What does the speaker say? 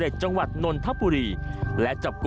สวัสดีครับ